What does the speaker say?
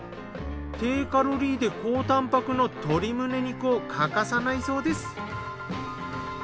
低カロリーで高たんぱくの鶏むね肉を欠かさないそうです。